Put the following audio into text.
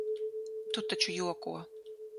Tu taču joko?